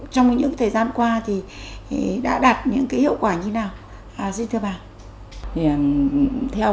trong những thời gian qua đã đạt những hiệu quả như thế nào